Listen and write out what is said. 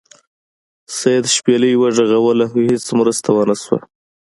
سید شپیلۍ وغږوله خو هیڅ مرسته ونه شوه.